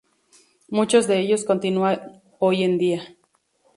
Muchos de ellos continúan hoy en día.